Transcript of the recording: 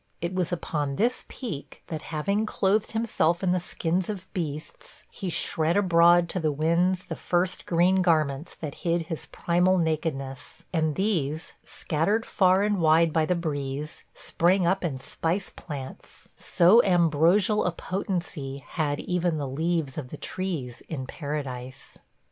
It was upon this peak that, having clothed himself in the skins of beasts, he shred abroad to the winds the first green garments that hid his primal nakedness, and these, scattered far and wide by the breeze, sprang up in spice plants – so ambrosial a potency had even the leaves of the trees in Paradise.